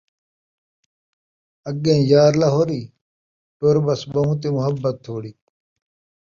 آڳین یار لہوری، ٹر پس ٻہوں تے محبت تھوڑی